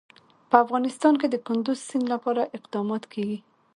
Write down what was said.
په افغانستان کې د کندز سیند لپاره اقدامات کېږي.